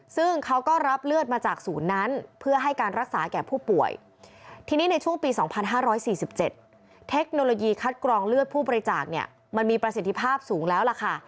ซึ่งเขาก็รับเลือดมาจากศูนย์นั้นเพื่อให้การรักษาแก่ผู้ป่วยทีนี้ในช่วงปี๒๕๔๗เทคโนโลยีคัดกรองเลือดผู้บริจาคเนี่ยมันมีประสิทธิภาพสูงแล้วล่ะค่ะ